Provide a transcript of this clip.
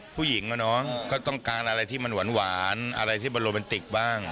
ผู้หญิงอะเนาะก็ต้องการอะไรที่มันหวานอะไรที่มันโรแมนติกบ้าง